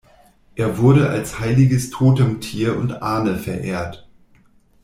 Er wurde als heiliges Totemtier und Ahne verehrt.